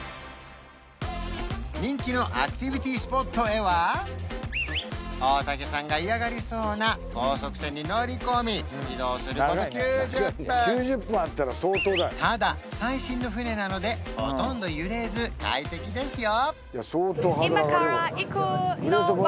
人気のアクティビティスポットへは大竹さんが嫌がりそうな高速船に乗り込み移動すること９０分ただ最新の船なのでほとんど揺れず快適ですよ